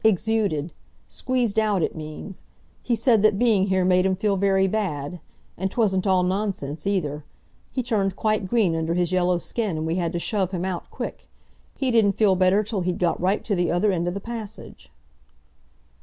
Exuded—squeezed out it means. He said that being here made him feel very bad. And twasn't all nonsense either. He turned quite green under his yellow skin, and we had to shove him out quick. He didn't feel better till he'd got right to the other end of the passage!"